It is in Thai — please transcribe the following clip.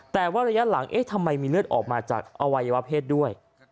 แต่ว่าระยะหลังเอ๊ะทำไมมีเลือดออกมาจากอวัยวะเพศด้วย